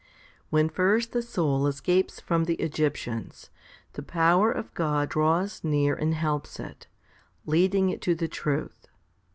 12. When first the soul escapes from the Egyptians, the power of God draws near and helps it, leading it to the truth.